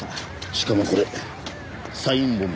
しかもこれサイン本です。